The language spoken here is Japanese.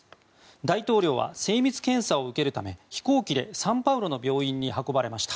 大統領は精密検査を受けるため飛行機でサンパウロの病院に運ばれました。